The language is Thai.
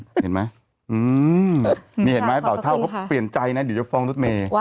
นี่เห็นไหมใบเหาะแบบเขาเปลี่ยนใจดิวฟองนู้นเมล์